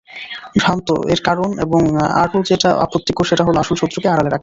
ভ্রান্ত—এর কারণ এবং আরও যেটা আপত্তিকর সেটা হলো আসল শক্রকে আড়ালে রাখা।